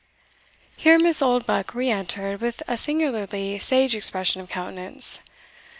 Here Miss Oldbuck re entered, with a singularly sage expression of countenance.